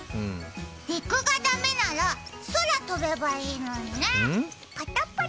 陸がだめなら空飛べばいいのにね。